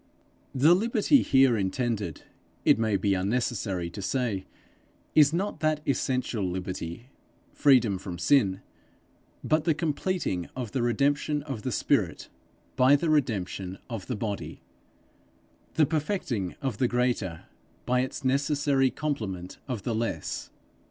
The liberty here intended, it may be unnecessary to say, is not that essential liberty freedom from sin, but the completing of the redemption of the spirit by the redemption of the body, the perfecting of the greater by its necessary complement of the less.